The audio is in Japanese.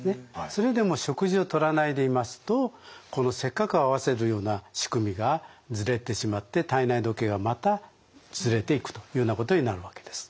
それでも食事をとらないでいますとこのせっかく合わせるような仕組みがズレてしまって体内時計がまたズレていくというなことになるわけです。